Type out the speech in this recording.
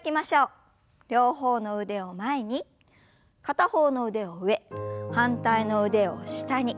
両方の腕を前に片方の腕は上反対の腕を下に。